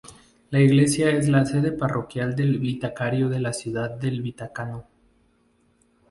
La iglesia es la sede parroquial del Vicariato de la Ciudad del Vaticano.